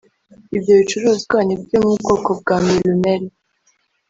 Ibyo bicuruzwa ni ibyo mu bwoko bwa Milumel